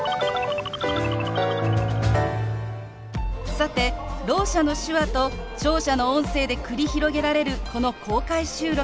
さてろう者の手話と聴者の音声で繰り広げられるこの公開収録。